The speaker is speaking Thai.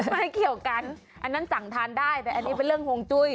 ไม่เกี่ยวกันอันนั้นสั่งทานได้แต่อันนี้เป็นเรื่องฮวงจุ้ย